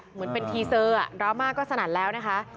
เหมือนเป็นทีเซอร์ดราม่าก็สนั่นแล้วนะคะ